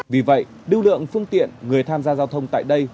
vì vậy lưu lượng phương tiện người tham gia giao thông tại đây